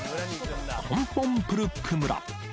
コンポン・プルック村。